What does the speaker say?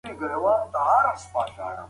ماشومان د وخت پر مفهوم پوهېږي.